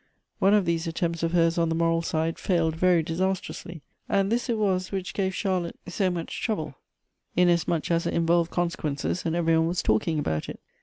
One of these attempts of hers on the moral side failed very disastrously, and this it was which gave Charlotte so much trouble, inasmuch as it involved consequences and every one was talking about it.